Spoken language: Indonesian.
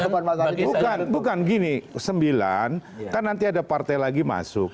bukan bukan gini sembilan kan nanti ada partai lagi masuk